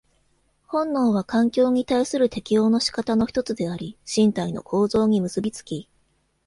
本能は環境に対する適応の仕方の一つであり、身体の構造に結び付き、